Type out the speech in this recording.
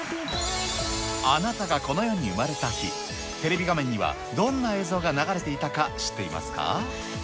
あなたがこの世に生まれた日、テレビ画面には、どんな映像が流れていたか知っていますか？